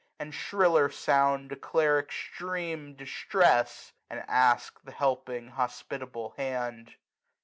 And shriller sound declare extreme distress. And ask the helping hospitable hand.